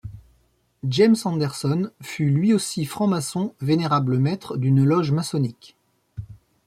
James Anderson fut lui aussi franc-maçon, vénérable maître d'une loge maçonnique.